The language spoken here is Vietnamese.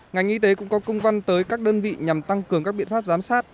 ngành y tế cũng có công văn tới các đơn vị nhằm tăng cường các biện pháp giám sát